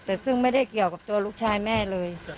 แต่ซึ่งไม่ได้เกี่ยวกับตัวลูกชายแม่เลย